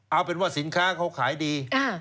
เอาเป็นว่าสินค้าเขาขายดี